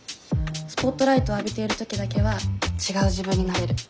スポットライトを浴びている時だけは違う自分になれる。